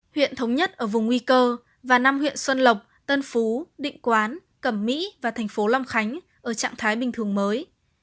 huyện thống nhất ở vùng nguy cơ và năm huyện xuân lộc tân phú định quán cẩm mỹ và thành phố long khánh ở trạng thái bình thường mới